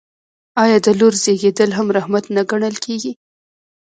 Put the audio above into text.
آیا د لور زیږیدل هم رحمت نه ګڼل کیږي؟